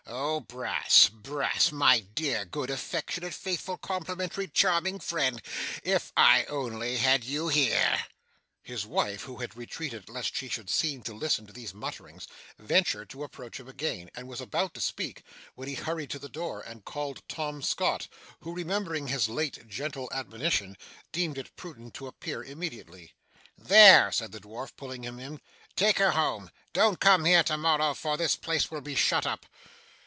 Oh Brass, Brass my dear, good, affectionate, faithful, complimentary, charming friend if I only had you here!' His wife, who had retreated lest she should seem to listen to these mutterings, ventured to approach him again, and was about to speak, when he hurried to the door, and called Tom Scott, who, remembering his late gentle admonition, deemed it prudent to appear immediately. 'There!' said the dwarf, pulling him in. 'Take her home. Don't come here to morrow, for this place will be shut up.